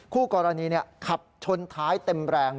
คู่กรณีขับชนท้ายเต็มแรง